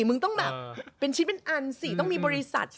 มึงต้องบริษัท